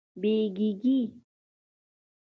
بیږیږې